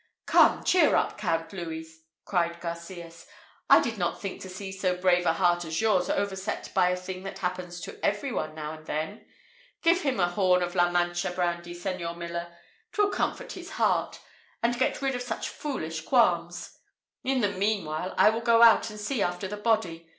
"Come, cheer up, Count Louis!" cried Garcias; "I did not think to see so brave a heart as yours overset by a thing that happens to every one now and then. Give him a horn of La Mancha brandy, Señor Miller; 'twill comfort his heart, and get rid of such foolish qualms. In the meanwhile, I will go out and see after the body.